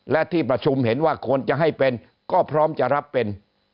และที่ประชุมเห็นว่าควรจะให้เป็นก็พร้อมจะรับเป็น